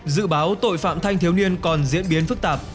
dự báo tội phạm thanh thiếu niên còn diễn biến phức tạp